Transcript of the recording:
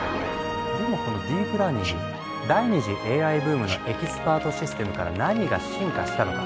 でもこのディープラーニング第２次ＡＩブームのエキスパートシステムから何が進化したのか？